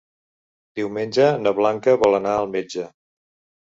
Diumenge na Blanca vol anar al metge.